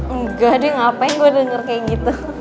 enggak deh ngapain gue denger kayak gitu